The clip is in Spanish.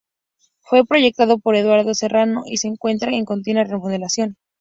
Fue proyectado por Eduardo Serrano y se encuentra en continua remodelación.